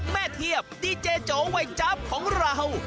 แม่เทียบดีเจโจ๋ไวยต์จั๊บของเรา